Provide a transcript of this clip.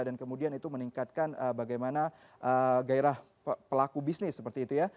dan kemudian itu meningkatkan bagaimana gairah pelaku bisnis seperti itu ya